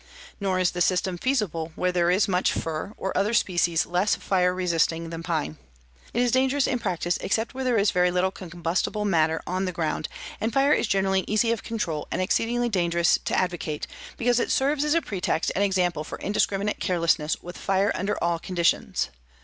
Nor is the system feasible where there is much fir or other species less fire resisting than pine. It is dangerous in practice except where there is very little combustible matter on the ground and fire is generally easy of control, and exceedingly dangerous to advocate because serves as a pretext and example for indiscriminate carelessness with fire under all conditions.